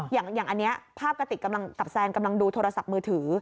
อย่างนี้ภาพกะติดกำลังดูโทรศัพท์มือถือ